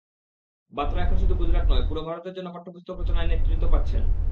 বাতরা এখন শুধু গুজরাট নয়, পুরো ভারতের জন্য পাঠ্যপুস্তক রচনায় নেতৃত্ব পাচ্ছেন।